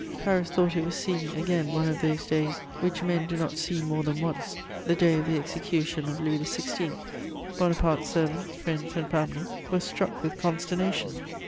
Paris thought it was seeing again one of those days which men do not see more than once, the day of the execution of Louis XVI. Bonaparte's servants, friends and family were struck with consternation.